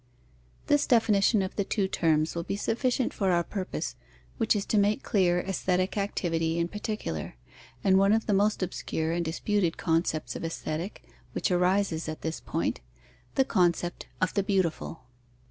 This definition of the two terms will be sufficient for our purpose, which is to make clear aesthetic activity in particular, and one of the most obscure and disputed concepts of Aesthetic which arises at this point: the concept of the Beautiful.